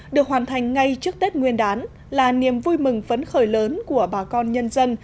được hoàn thành ngay trước tết nguyên đán là niềm vui mừng phấn khởi lớn của bà con nhân dân